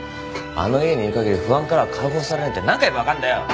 あの家にいるかぎり不安からは解放されねえって何回言えば分かんだよ。